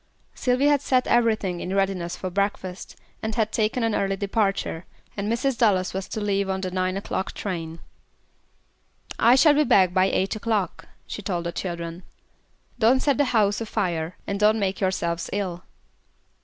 Sylvy had set everything in readiness for breakfast, and had taken an early departure, and Mrs. Dallas was to leave on the nine o'clock train. "I shall be back by eight o'clock," she told the children. "Don't set the house afire, and don't make yourselves ill."